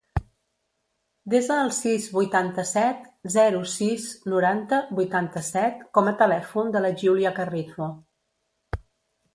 Desa el sis, vuitanta-set, zero, sis, noranta, vuitanta-set com a telèfon de la Giulia Carrizo.